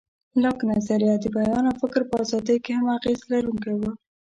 لاک نظریه د بیان او فکر په ازادۍ کې هم اغېز لرونکی و.